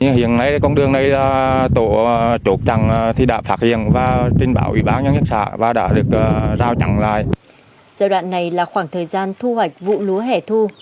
giai đoạn này là khoảng thời gian thu hoạch vụ lúa hẻ thu